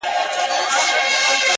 زه سم پء اور کړېږم ستا په محبت شېرينې ـ